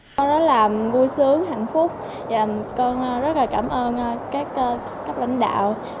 con rất là vui sướng hạnh phúc và con rất là cảm ơn các các lãnh đạo